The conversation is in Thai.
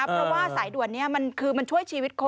เพราะว่าสายด่วนนี้คือมันช่วยชีวิตคน